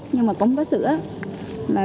nhưng mà cũng có sữa